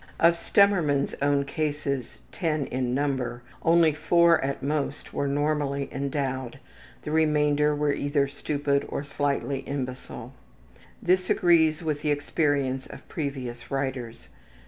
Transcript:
Of Stemmermann's own cases, ten in number, only four at most were normally endowed, the remainder were either stupid or slightly imbecile. This agrees with the experience of previous writers.